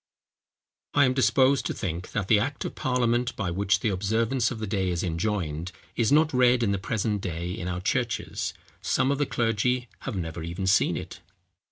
] I am disposed to think, that the act of parliament by which the observance of the day is enjoined, is not read, in the present day, in our churches: some of the clergy have never even seen it.